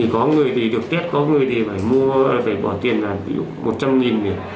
có người thì được tết có người thì phải mua phải bỏ tiền là ví dụ một trăm linh nghìn